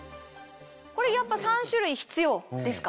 これやっぱ３種類必要ですか？